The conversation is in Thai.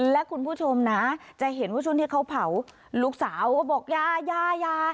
และคุณผู้ชมนะจะเห็นว่าช่วงที่เขาเผาลูกสาวก็บอกยายา